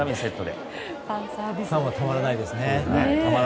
ファンはたまらないですね。